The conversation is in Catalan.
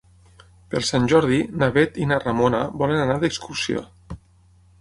Per Sant Jordi na Bet i na Ramona volen anar d'excursió.